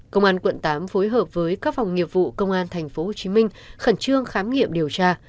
công an quận tám phối hợp với các phòng nghiệp vụ công an tp hcm khẩn trương khám nghiệm điều tra